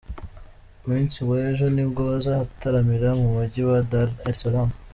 Ku munsi w'ejo nibwo bazataramira mu mujyi wa Dar es Salaam.